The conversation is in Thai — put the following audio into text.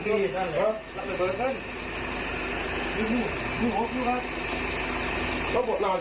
ขอบคุณทุกคนนะครับขอบคุณทุกคนนะครับ